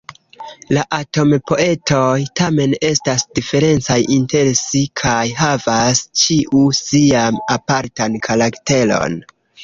La "atom-poetoj" tamen estas diferencaj inter si kaj havas ĉiu sian apartan karakteron.